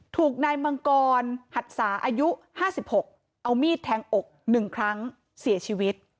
ถูกนายมังกรหัดสาอายุห้าสิบหกเอามีดแทงอกหนึ่งครั้งเสียชีวิต